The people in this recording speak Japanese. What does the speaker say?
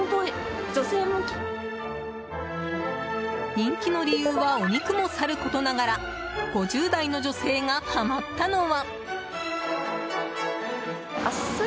人気の理由はお肉もさることながら５０代の女性がはまったのは。